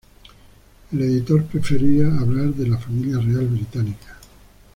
El editor prefería hablar de la familia real británica.